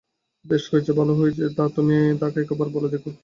বেশ হয়েছে, ভালোই হয়েছে তা তুমি তাকে একবার বলে দেখো।